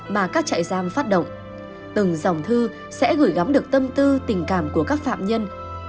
đọc sách giam phát động từng dòng thư sẽ gửi gắm được tâm tư tình cảm của các phạm nhân